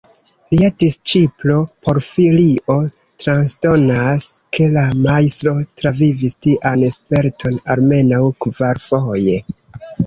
Lia disĉiplo Porfirio transdonas ke la majstro travivis tian sperton almenaŭ kvarfoje.